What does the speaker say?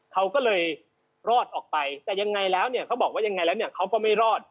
เขาก็เลยรอดออกไปแต่ยังไงแล้วเนี่ยเขาบอกว่ายังไงแล้วเนี่ยเขาก็ไม่รอด